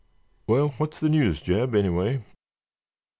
"Well, what's the news, Jeb, anyway?"